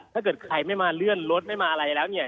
ถ้าเกิดใครไม่มาเลื่อนรถไม่มาอะไรแล้วเนี่ย